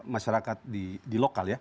masyarakat di lokal ya